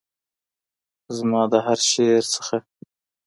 زما د هر شعر نه